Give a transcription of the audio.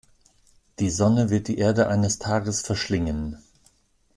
Die Sonne wird die Erde eines Tages verschlingen.